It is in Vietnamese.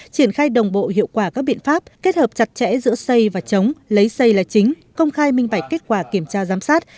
triển khai đồng bộ hiệu quả các biện pháp kết hợp chặt chẽ giữa xây và chống lấy xây là chính công khai minh bạch kết quả kiểm tra giám sát